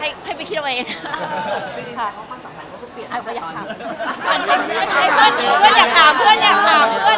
เอาพี่บ่อยจริงได้ไงดูแบบไซน์